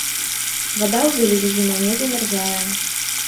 Вада ў заліве зімой не замярзае.